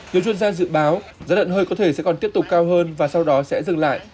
nhiều chuyên gia dự báo giá lợn hơi có thể sẽ còn tiếp tục cao hơn và sau đó sẽ dừng lại